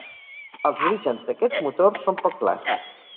Els orígens d'aquests motors són poc clars.